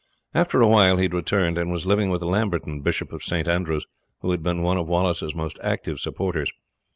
After a while he had returned, and was living with Lamberton, Bishop of St. Andrews, who had been one of Wallace's most active supporters.